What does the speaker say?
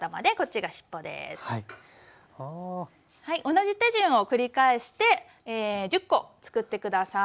同じ手順を繰り返して１０コつくって下さい。